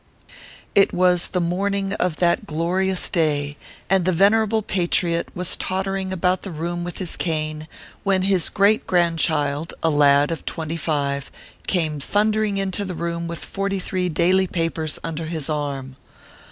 It was the morning of that glorious day, and the venerable pa triot was tottering about the room with his cane, when his great grandchild, a lad of twenty five, came thundering into the room with forty three daily papers under his arm.